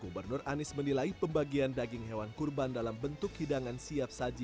gubernur anies menilai pembagian daging hewan kurban dalam bentuk hidangan siap saji